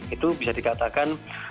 itu bisa dikatakan